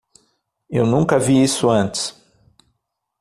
Eu nunca vi isso antes.